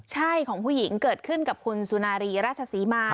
ใช่ของผู้หญิงเกิดขึ้นกับคุณสุนารีราชศรีมา